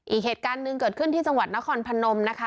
อีกเหตุการณ์หนึ่งเกิดขึ้นที่จังหวัดนครพนมนะคะ